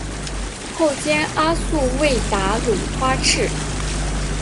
后兼阿速卫达鲁花赤。